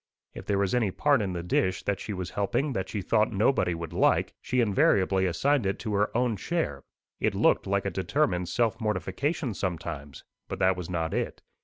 If there was any part in the dish that she was helping that she thought nobody would like, she invariably assigned it to her own share. It looked like a determined self mortification sometimes; but that was not it.